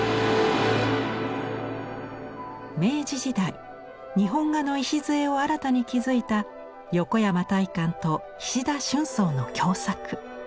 明治時代日本画の礎を新たに築いた横山大観と菱田春草の共作。